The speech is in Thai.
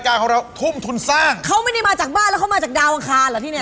ก้อมันไม่ได้มาจากบ้านแล้วเขามาจากดาวองคารเหรอที่นี่